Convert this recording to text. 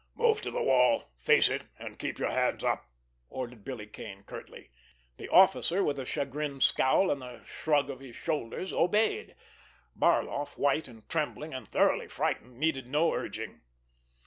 "Move to the wall, face it, and keep your hands up!" ordered Billy Kane curtly. The officer, with a chagrined scowl and a shrug of his shoulders, obeyed. Barloff, white and trembling, and thoroughly frightened, needed no urging.